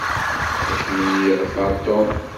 Ad kem-yeḍfer Tom.